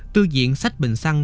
tư diện xách bình xăng